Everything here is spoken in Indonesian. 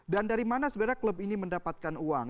dan dari mana sebenarnya klub ini mendapatkan uang